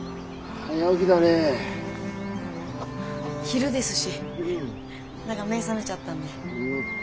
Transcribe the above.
昼ですし何か目覚めちゃったんで。